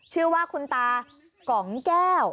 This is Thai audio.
ชื่อว่าคุณตากองแก้ว